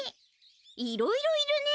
いろいろいるね。